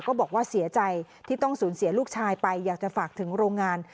ก็บอกว่าเสียใจที่ต้องสูญเสียลูกชายไปอยากจะฝากถึงโรงงาน